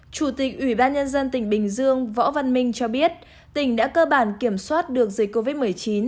chủ tịch ủy ban nhân dân tỉnh bình dương võ văn minh cho biết tỉnh đã cơ bản kiểm soát được dịch covid một mươi chín